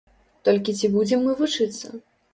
Толькі ці будзем мы вучыцца?